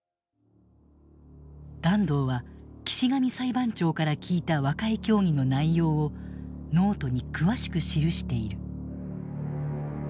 團藤は岸上裁判長から聞いた和解協議の内容をノートに詳しく記している。